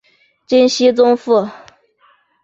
金熙宗父。